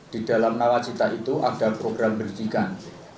di dalam nawacita itu ada program pendidikan